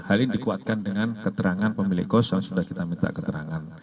hari ini dikuatkan dengan keterangan pemilik kos yang sudah kita minta keterangan